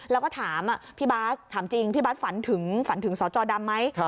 แล้วก็ถามพี่บ๊าสถามจริงพี่บ๊าสฝันถึงสตดำไหม